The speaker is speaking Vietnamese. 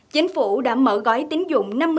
chính phủ đã mở gói tín dụng